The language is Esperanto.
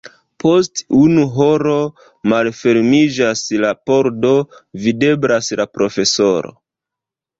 Post unu horo malfermiĝas la pordo, videblas la profesoro.